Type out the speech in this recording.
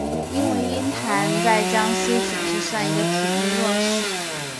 因为鹰潭在江西省算是个体育弱市。